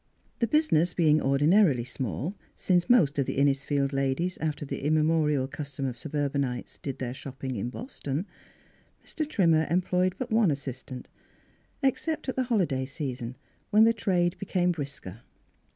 The business being ordi narily small, since most of the Innisfield ladies after the immemorial custom of sub urbanites did their shopping in Boston, Mr. Trimmer employed but one assistant except at the holiday season, when the trade briskened.